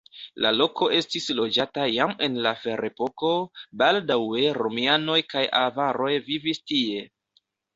La loko estis loĝata jam en la ferepoko, baldaŭe romianoj kaj avaroj vivis tie.